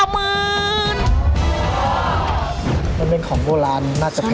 มันเป็นของโบราณน่าจะผิด